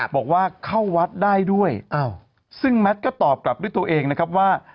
บอกว่าเข้าวัดได้ด้วยซึ่งแมทก็ตอบกลับด้วยตัวเองนะครับว่า